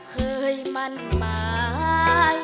เคยมั่นหมาย